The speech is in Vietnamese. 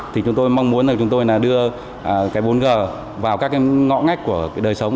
thì chúng tôi mong muốn là chúng tôi đưa bốn g vào các ngõ ngách của đời sống